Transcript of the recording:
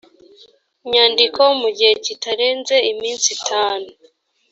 nyandiko mu gihe kitarenze iminsi itanu